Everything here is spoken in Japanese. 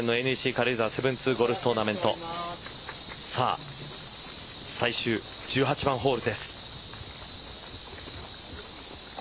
軽井沢７２ゴルフトーナメント最終１８番ホールです。